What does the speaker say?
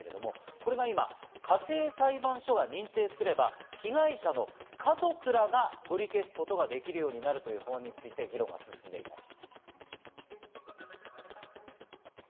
これが今、家庭裁判所が認定すれば被害者の家族らが取り消すことができるようになるということについて議論が進んでいます。